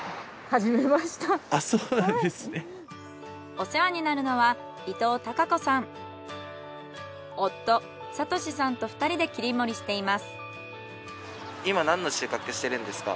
お世話になるのは夫智さんと２人で切り盛りしています。